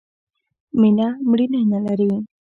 مینه ، مړینه نه لري.